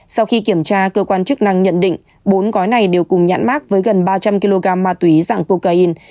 sau khi kiểm tra cơ quan chức năng nhận định bốn gói này đều cùng nhãn mát với gần ba trăm linh kg ma túy dạng cocaine